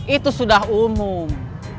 itu sudah umum